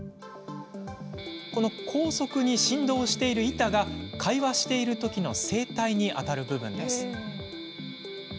この高速に振動している板が会話をしているときの声帯に当たる部分です。